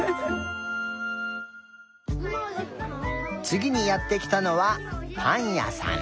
つぎにやってきたのはパンやさん。